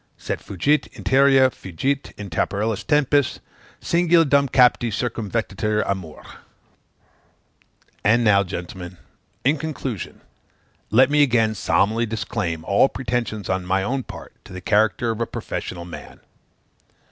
"Sed fugit interea, fugit irreparabile tcmpus, Singula dum capti circumvectamur amore." And now, gentlemen, in conclusion, let me again solemnly disclaim all pretensions on my own part to the character of a professional man.